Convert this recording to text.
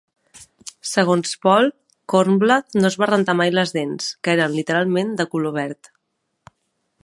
Segons Pohl, Kornbluth no es va rentar mai les dents, que eren literalment de color verd.